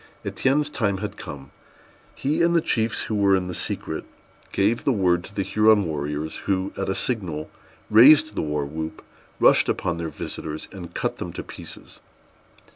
Étienne's time had come. He and the chiefs who were in the secret gave the word to the Huron warriors, who, at a signal, raised the war whoop, rushed upon their visitors, and cut them to pieces.